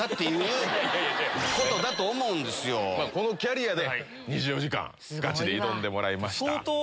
このキャリアで２４時間ガチで挑んでもらいました。